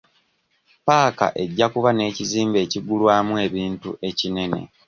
Ppaaka ejja kuba n'ekizimbe ekigulwamu ebintu ekinene.